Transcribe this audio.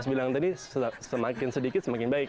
kalau misalnya kita bilang tadi semakin sedikit semakin baik